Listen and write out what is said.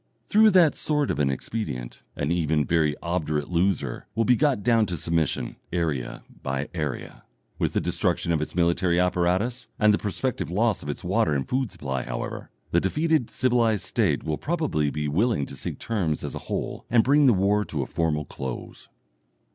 Through that sort of an expedient an even very obdurate loser will be got down to submission, area by area. With the destruction of its military apparatus and the prospective loss of its water and food supply, however, the defeated civilized State will probably be willing to seek terms as a whole, and bring the war to a formal close.